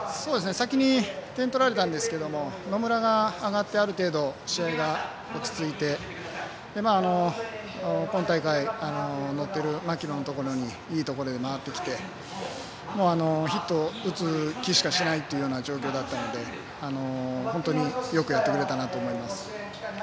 先に点を取られたんですが野村が上がってある程度、試合が落ち着いて今大会乗っている牧野のところにいいところで回ってきてヒットを打つ気しかしないという状況だったので本当によくやってくれたなと思います。